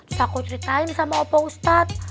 terus aku ceritain sama opa ustadz